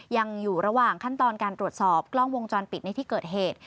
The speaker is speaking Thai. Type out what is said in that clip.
ยังอยู่ระหว่างขั้นตอนการตรวจสอบกล้องวงจรปิดในที่เกิดเหตุ